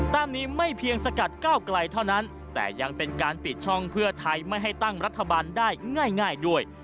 ตามนี้ไม่เพียงสกัดก้าวไกลเท่านั้นแต่ยังเป็นการปิดช่องเพื่อไทยไม่ให้ตั้งรัฐบาลได้ง่ายด้วย